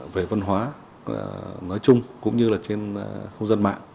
về văn hóa nói chung cũng như là trên khu dân mạng